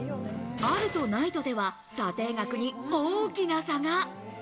あるとないとでは査定額に大きな差が。